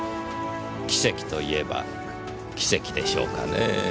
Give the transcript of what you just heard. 奇跡といえば奇跡でしょうかねぇ。